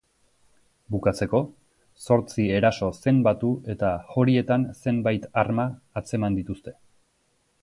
Bukatzeko, zortzi eraso zenbatu eta horietan zenbait arma atzeman dituzte.